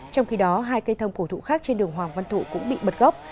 trong khi đó hai cây thông cổ thụ khác trên đường hoàng văn thụ cũng bị bật gốc